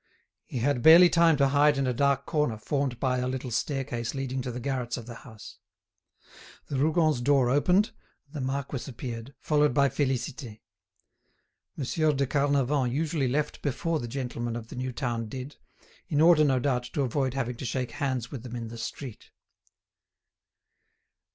He had barely time to hide in a dark corner formed by a little staircase leading to the garrets of the house. The Rougons' door opened, and the marquis appeared, followed by Félicité. Monsieur de Carnavant usually left before the gentlemen of the new town did, in order no doubt to avoid having to shake hands with them in the street.